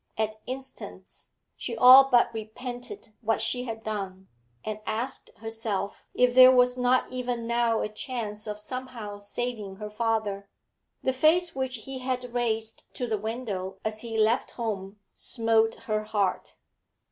At instants, she all but repented what she had done, and asked herself if there was not even now a chance of somehow saving her father. The face which he had raised to the window as he left home smote her heart.